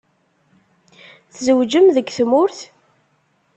Tzewǧem deg tmurt?